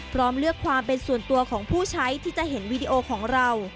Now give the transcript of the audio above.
พร้อมเลือกความเป็นส่วนตัวของผู้ใช้ที่จะเห็นวีดีโอของเรา